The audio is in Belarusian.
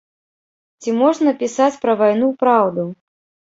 Ці можна пісаць пра вайну праўду?